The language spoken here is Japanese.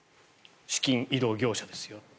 資金移動業者ですよ。